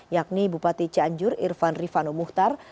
yakni bupati cianjur irfan rifano muhtar